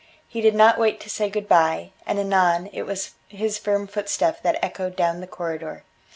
He did not wait to say good bye, and anon it was his firm footstep that echoed down the corridor.